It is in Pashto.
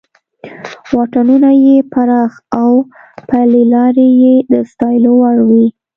واټونه یې پراخه او پلې لارې یې د ستایلو وړ وې.